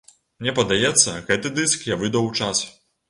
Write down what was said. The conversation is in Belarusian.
Мне падаецца, гэты дыск я выдаў у час.